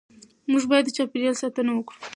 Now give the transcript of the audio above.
موږ باید د چاپېریال ساتنه وکړو